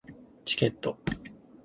チケット